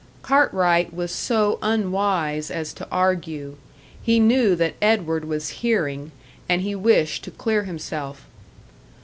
Cartwright was so unwise as to argue. He knew that Edward was hearing, and he wished to clear himself.